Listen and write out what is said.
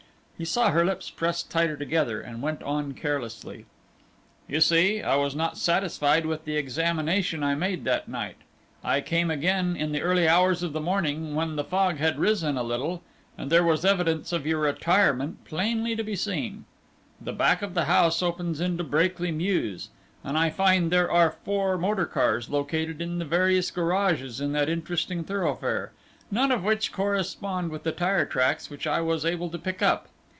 He saw her lips press tighter together, and went on carelessly: "You see, I was not satisfied with the examination I made that night. I came again in the early hours of the morning, when the fog had risen a little, and there was evidence of your retirement plainly to be seen. The back of the house opens into Brakely Mews, and I find there are four motor cars located in the various garages in that interesting thoroughfare, none of which correspond with the tire tracks which I was able to pick up.